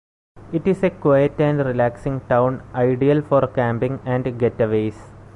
It is a quiet and relaxing town ideal for camping and getaways.